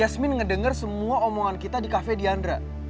semua omongan kita di cafe diandra